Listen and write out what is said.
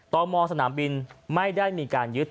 ตมสนามบินไม่ได้มีการยึด